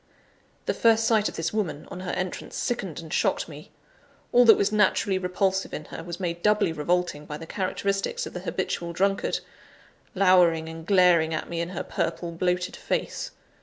The first sight of this woman, on her entrance, sickened and shocked me. All that was naturally repulsive in her, was made doubly revolting by the characteristics of the habitual drunkard, lowering and glaring at me in her purple, bloated face.